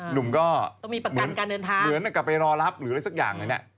หลุมก็เหมือนกับไปรอรับหรืออะไรสักอย่างแบบนี้